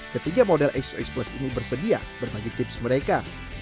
ketiga model x dua x plus ini bersedia berbagi tips mereka